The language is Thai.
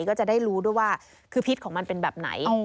ก็จะได้รู้ด้วยว่าคือพิษของมันเป็นแบบไหน